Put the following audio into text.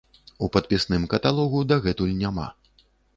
У падпісным каталогу дагэтуль няма.